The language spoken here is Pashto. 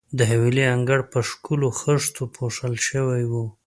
د حویلۍ انګړ په ښکلو خښتو پوښل شوی وو.